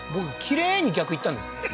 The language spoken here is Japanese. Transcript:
きれいに逆言ったんですね